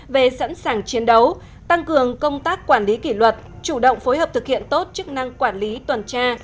về sẵn sàng chiến đấu tăng cường công tác quản lý kỷ luật chủ động phối hợp thực hiện tốt chức năng quản lý tuần tra